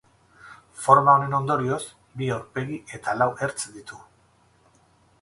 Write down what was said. Forma honen ondorioz, bi aurpegi eta lau ertz ditu.